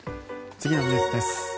次のニュースです。